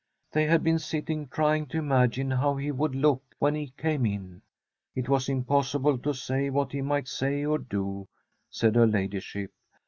They had been sitting trying to imagine how he would look when he came in. It was impos sible to say what he might say or do, said her ladyship.